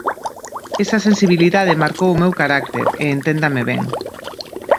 Esa sensibilidade marcou o meu carácter, e enténdame ben.